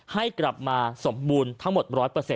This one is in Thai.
ให้กลับมาสมบูรณ์ทั้งหมด๑๐๐